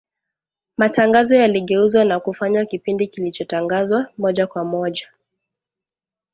matangazo yaligeuzwa na kufanywa kipindi kilichotangazwa moja kwa moja,